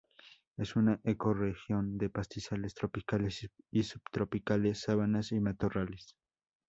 Es una ecorregión de pastizales tropicales y subtropicales, sabanas y matorrales.